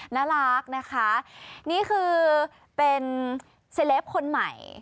น่ารักนะคะนี่คือเป็นเซลปคนใหม่